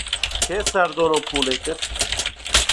Kê serdana polê kir?